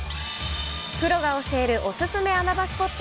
プロが教えるお勧め穴場スポット。